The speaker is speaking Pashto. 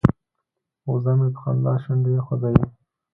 وزه مې په خندا شونډې خوځوي.